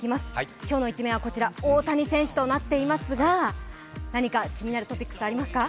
今日の１面はこちら、大谷選手となっていますが何か気になるトピックス、ありますか？